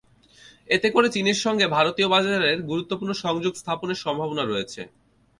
এতে করে চীনের সঙ্গে ভারতীয় বাজারের গুরুত্বপূর্ণ সংযোগ স্থাপনের সম্ভাবনা রয়েছে।